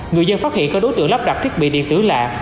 người dân phát hiện các đối tượng lắp đặt thiết bị điện tử lạ